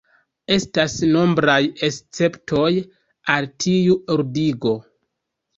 Estas nombraj esceptoj al tiu ordigo.